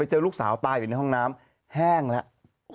เจอลูกสาวตายอยู่ในห้องน้ำแห้งแล้ว